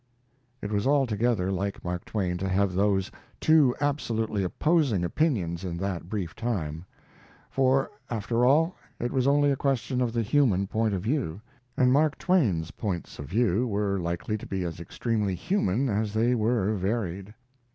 ] It was altogether like Mark Twain to have those two absolutely opposing opinions in that brief time; for, after all, it was only a question of the human point of view, and Mark Twain's points of view were likely to be as extremely human as they were varied.